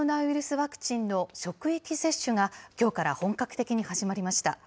ワクチンの職域接種がきょうから本格的に始まりました。